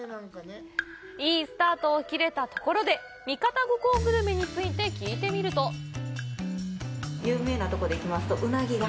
いいスタートを切れたところで三方五湖グルメについて聞いてみると有名なとこでいきますと、うなぎが。